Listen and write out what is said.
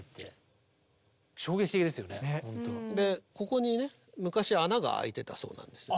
ここにね昔穴があいてたそうなんです。